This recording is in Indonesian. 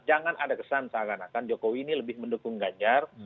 jangan ada kesan seakan akan jokowi ini lebih mendukung ganjar